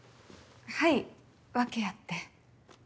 はい訳あって。